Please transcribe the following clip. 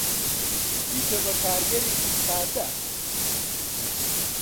بیکە بە کارگەرێکی سادە.